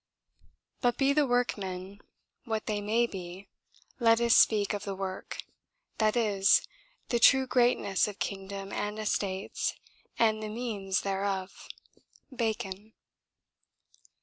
'But be the workemen what they may be, let us speake of the worke; that is, the true greatnesse of Kingdom and estates; and the meanes thereof.' BACON.